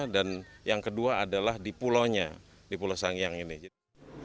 dan yang kedua adalah di pulau pulau sangiang ini